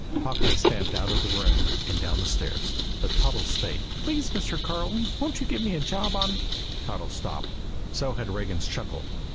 Hawkeye stamped out of the room and down the stairs. But Toddles stayed. "Please, Mr. Carleton, won't you give me a job on " Toddles stopped. So had Regan's chuckle.